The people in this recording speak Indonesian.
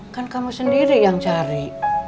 kan kamu sendiri yang cari